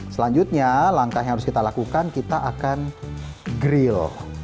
selanjutnya langkah yang harus kita lakukan kita akan grill